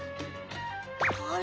あれ？